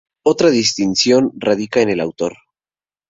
Otra distinción radica en el autor.